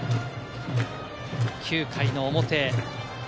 ９回の表。